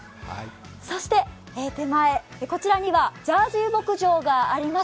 そして、こちらにはジャージー牧場があります。